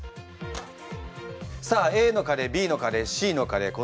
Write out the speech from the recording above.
さあＡのカレーＢのカレーＣのカレー